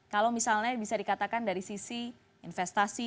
kalau misalnya bisa dikatakan dari sisi investasi